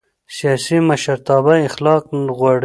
سیاسي مشرتابه اخلاق غواړي